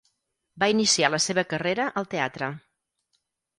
Va iniciar la seva carrera al teatre.